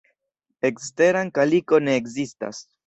Eksteran kaliko ne ekzistas.